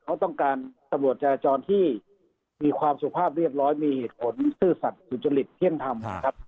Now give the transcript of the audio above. เขาต้องการตำรวจจราจรที่มีความสุภาพเรียบร้อยมีเหตุผลซื่อสัตว์สุจริตเที่ยงธรรมนะครับ